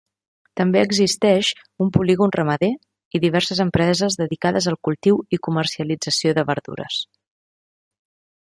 També existeix un polígon ramader, i diverses empreses dedicades al cultiu i comercialització de verdures.